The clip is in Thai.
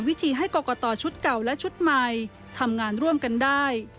ให้กรกตชุดเก่าและชุดใหม่ทำงานร่วมกันได้